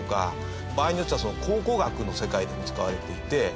場合によっては考古学の世界でも使われいて。